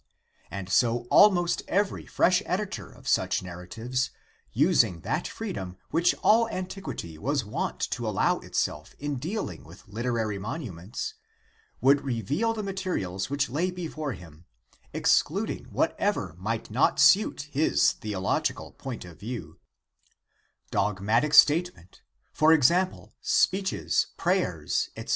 And so almost every fresh editor of such narratives, using that freedom which all antiquity was wont to allow itself in dealing with literary monuments, would reveal the materials which lay before him, excluding what ever might not suit his theological point of view — dogmatic statement, for example, speeches, prayers, etc.